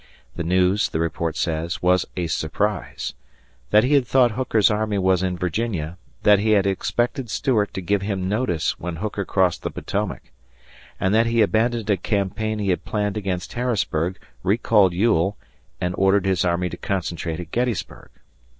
The news, the report says, was a surprise; that he had thought Hooker's army was in Virginia, that he had expected Stuart to give him notice when Hooker crossed the Potomac; and that he abandoned a campaign he had planned against Harrisburg, recalled Ewell, and ordered his army to concentrate at Gettysburg.